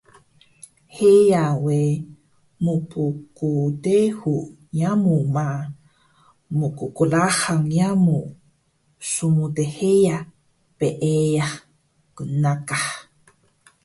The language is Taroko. Heya we mpgdehu yamu ma, mpqlahang yamu smtheya peeyah qnnaqah